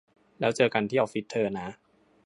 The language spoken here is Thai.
แล้วเจอกันที่ออฟฟิศเธอนะ